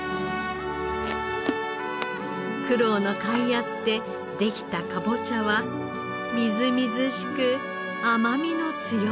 苦労のかいあってできたかぼちゃはみずみずしく甘みの強いものに。